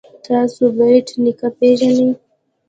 تاسو بېټ نیکه پيژنئ.